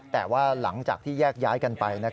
แต่ว่าหลังจากที่แยกย้ายกันไป